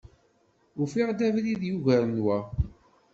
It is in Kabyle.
Ufiɣ-d abrid yugaren wa.